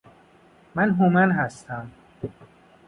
من هومن هستم